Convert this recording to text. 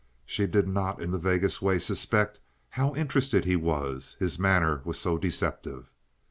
She did not in the vaguest way suspect how interested he was—his manner was so deceptive.